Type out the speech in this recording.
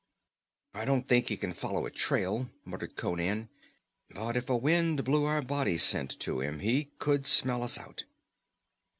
"I don't think he can follow a trail," muttered Conan. "But if a wind blew our body scent to him, he could smell us out."